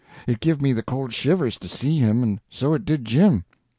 It give me the cold shivers to see him, and so it did Jim.